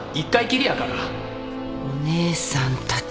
お姉さんたち。